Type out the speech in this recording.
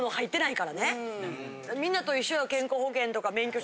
みんなと一緒よ。